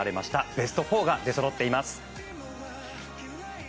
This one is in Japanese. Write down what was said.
ベスト４が出そろっています。